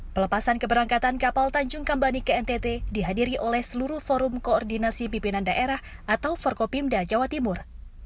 pelepasan keberangkatan kapal tanjung kambani ke ntt dihadiri oleh seluruh forum koordinasi pimpinan daerah atau forkopimda jawa timur